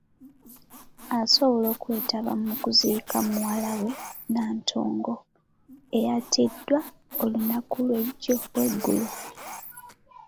Asobola okwetaba mu kuziika muwala we Nantongo, eyattiddwa olunaku lw’eggulo.